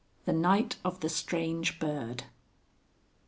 THE NIGHT OF THE STRANGE BIRD.